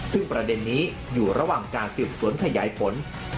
ซึ่งประเด็นนี้อยู่ระหว่างการสืบสวนขยายผล